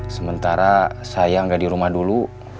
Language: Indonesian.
sementara saya gak dirumah dulu